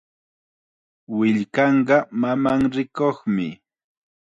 Willkanqa mamanrikuqmi.